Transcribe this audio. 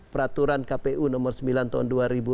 peraturan kpu nomor sembilan tahun dua ribu enam belas